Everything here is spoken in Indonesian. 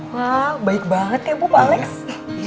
wah baik banget ya bu pak alex